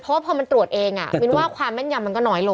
เพราะว่าพอมันตรวจเองมินว่าความแม่นยำมันก็น้อยลง